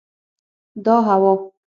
دا هوا